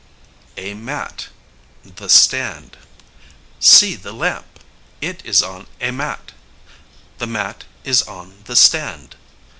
] a mat the stand See the lamp! It is on a mat. The mat is on the stand.